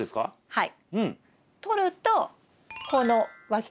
はい。